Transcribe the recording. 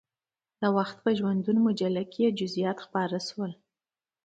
د وخت په ژوندون مجله کې یې جزئیات خپاره شول.